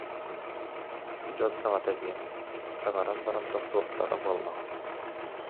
Дьон саҥата диэн, саҥаран баран тохтуохтара буоллаҕа